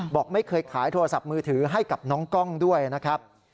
บอกไม่เคยขายโทรศัพท์มือถือให้กับน้องกล้องด้วยนะครับ